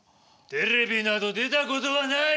テレビなど出たことはない！